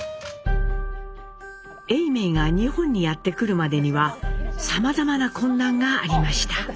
永明が日本にやって来るまでにはさまざまな困難がありました。